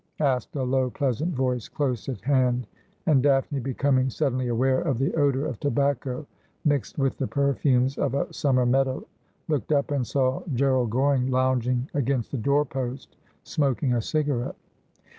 asked a low pleasant voice close at hand, and Daphne, becoming suddenly aware of the odour of tobacco mixed with the perfumes of a summer meadow, looked up and saw Gerald Goring lounging against the door post, smoking a cigarette.